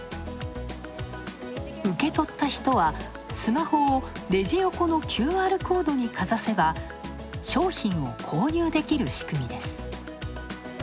受け取った人は、スマホをレジ横のＱＲコードにかざせば商品を購入できる仕組みです。